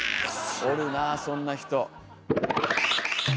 おるなあそんな人。